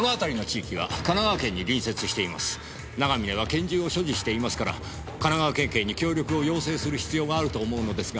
長嶺は拳銃を所持していますから神奈川県警に協力を要請する必要があると思うのですが。